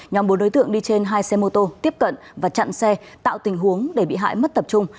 nhóm bốn đối tượng đi trên hai xe mô tô tiếp cận và chặn xe tạo tình huống để bị hại mất tập trung